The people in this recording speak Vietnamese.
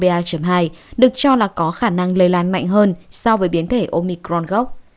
biến thể omicron ba hai được cho là có khả năng lây lan mạnh hơn so với biến thể omicron gốc